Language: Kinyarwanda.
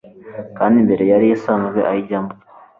kandi mbere yari asanzwe ayijyamo.